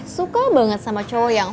suka banget sama cowok yang